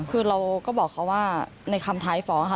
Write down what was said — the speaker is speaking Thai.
คือเราก็บอกเขาว่าในคำท้ายฟ้องค่ะ